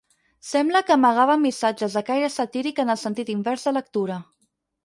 Sembla que amagaven missatges de caire satíric en el sentit invers de lectura.